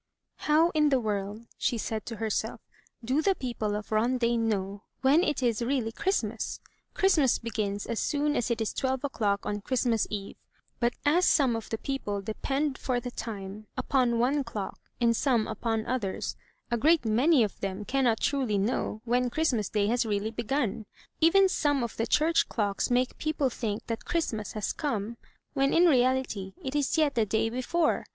"How in the world,'* she said to herself, "do the people of Rondaine know when it is really Christmas. Christmas begins 254 THE TREASURE CHEST as soon as it is twelve o'clock on Christmas Eve; but as some of the people depend for the time upon one clock and some upon others, a great many of them cannot truly know when Christmas Day has really begun. Even some of the church clocks make people think that Christmas has come, when in reality it is yet the day before.